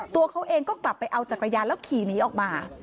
ตัวเขาเองก็กลับไปเอาจักรยานแล้วขี่หนีออกมา